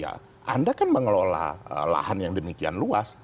anda kan mengelola lahan yang demikian luas